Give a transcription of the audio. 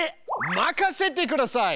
任せてください！